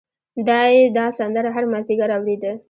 دای دا سندره هر مازدیګر اورېده.